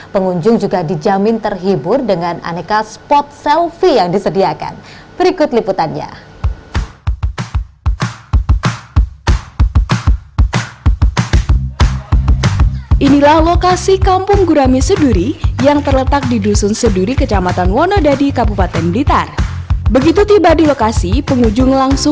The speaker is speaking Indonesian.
pengunjung juga dijamin terhibur dengan aneka spot selfie yang disediakan